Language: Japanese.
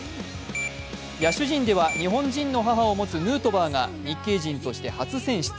野手陣では、日本人の母を持つヌートバーが日系人として初選出。